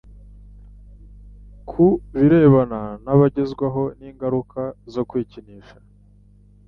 Ku birebana n'abagezweho n'ingaruka zo kwikinisha,